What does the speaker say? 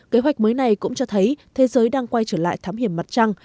kế hoạch mới này cũng cho thấy thế giới đang quay trở lại thám hiểm mặt trăng